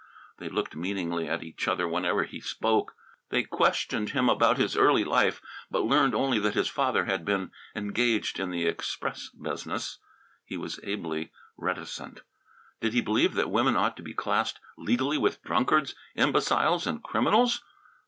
They looked meaningly at each other whenever he spoke. They questioned him about his early life, but learned only that his father had been "engaged in the express business." He was ably reticent. Did he believe that women ought to be classed legally with drunkards, imbeciles and criminals?